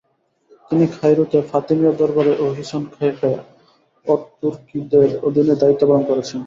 তিনি কায়রোতে ফাতেমীয় দরবারে ও হিসন কাইফায় অরতুকিদের অধীনে দায়িত্বপালন করেছেন।